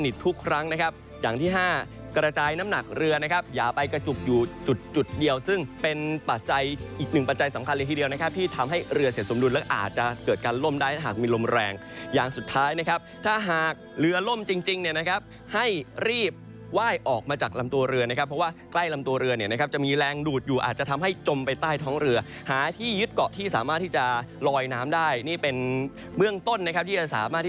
ทุกครั้งนะครับอย่างที่๕กระจายน้ำหนักเรือนะครับอย่าไปกระจุกอยู่จุดเดียวซึ่งเป็นปัจจัยอีกหนึ่งปัจจัยสำคัญที่เดียวนะครับที่ทำให้เรือเสียสมดุลและอาจจะเกิดการล้มได้หากมีลมแรงอย่างสุดท้ายนะครับถ้าหากเรือล่มจริงเนี่ยนะครับให้รีบไหว้ออกมาจากลำตัวเรือนะครับเพราะว่าใกล้ลำตัวเรือเนี่ย